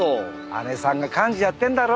姐さんが幹事やってんだろ？